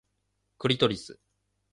クリトリス